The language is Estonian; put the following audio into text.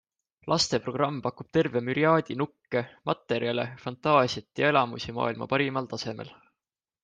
Lasteprogramm pakub terve müriaadi nukke, materjale, fantaasiat ja elamusi maailma parimal tasemel.